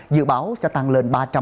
dự báo sẽ tăng lên ba trăm linh